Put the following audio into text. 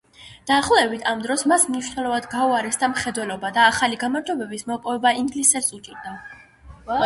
დაახლოებით ამ დროს მას მნიშვნელოვნად გაუუარესდა მხედველობა და ახალი გამარჯვებების მოპოვება ინგლისელს უჭირდა.